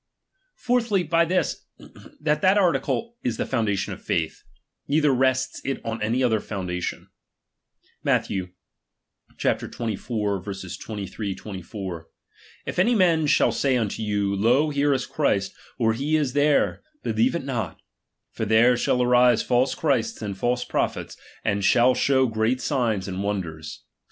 Fourthly, by this, that that article is the foun ,. dation of faith ; neither rests it on any other foun dation. Matth.xxiv. 23, 24: 1/ any man shall say unto you, Lo here is Christ, or he is there ; be lieve it not. For there shall arise false Christs and false prophets, and shall show great signs and wonders, &c.